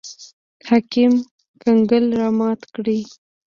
حاکم کنګل رامات کړي.